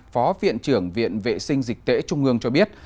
phó viện trưởng viện vệ sinh dịch tễ trung ương cho biết